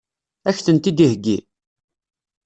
Ad k-tent-id-iheggi?